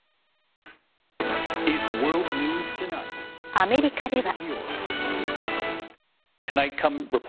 アメリカでは。